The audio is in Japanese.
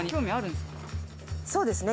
そうですね